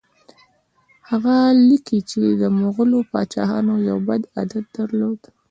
هغه لیکي چې د مغولو پاچاهانو یو بد عادت درلود.